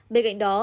bên cạnh đó